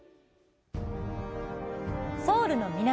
ソウルの南